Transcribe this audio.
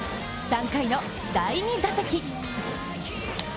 ３回の第２打席。